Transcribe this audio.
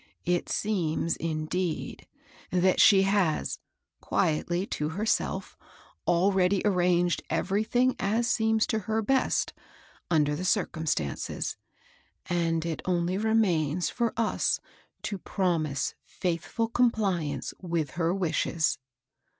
It seems, indeed, that she has, quietly to herself^ already arranged everything aS seems to her best, under the circumstances ; and it only remains for us to promise fiiithful compliance with her wishes.